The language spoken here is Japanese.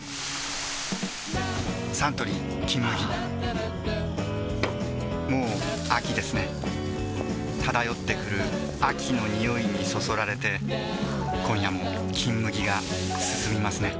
サントリー「金麦」もう秋ですね漂ってくる秋の匂いにそそられて今夜も「金麦」がすすみますね